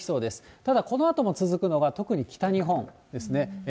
ただこのあとも続くのが、特に北日本ですね。